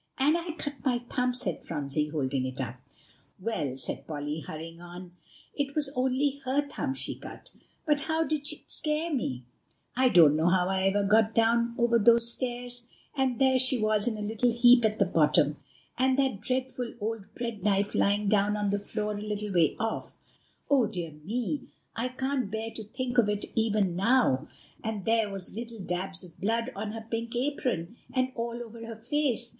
"And I cut my thumb," said Phronsie, holding it up. "Yes," said Polly, hurrying on; "it was only her thumb she cut, but how it did scare me! I don't know how I ever got down over those stairs; and there she was in a little heap at the bottom, and that dreadful old bread knife lying down on the floor a little way off. Oh, dear me! I can't bear to think of it even now; and there were little dabs of blood on her pink apron, and all over her face.